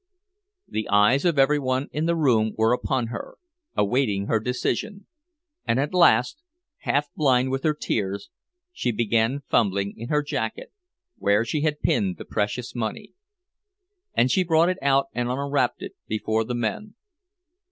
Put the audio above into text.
The eyes of every one in the room were upon her, awaiting her decision; and at last, half blind with her tears, she began fumbling in her jacket, where she had pinned the precious money. And she brought it out and unwrapped it before the men.